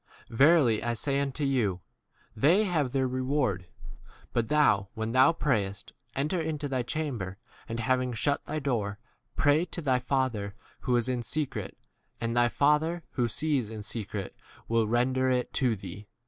Verily I say unto you, They have c their reward. 6 But thou, when thou prayest, enter into thy chamber, and hav ing shut thy door, pray to thy Father who is in secret, and thy Father who sees in secret will 7 render [it] to thee.